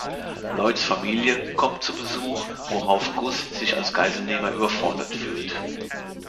Lloyds Familie kommt zu Besuch, worauf Gus sich als Geiselnehmer überfordert fühlt.